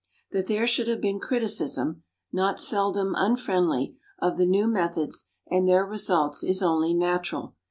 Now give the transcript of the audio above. That there should have been criticism, not seldom unfriendly, of the new methods and their results is only natural.